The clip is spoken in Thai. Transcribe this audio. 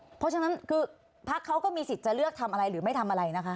เพราะฉะนั้นคือพักเขาก็มีสิทธิ์จะเลือกทำอะไรหรือไม่ทำอะไรนะคะ